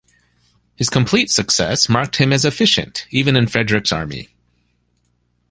His complete success marked him as efficient, even in Frederick's army.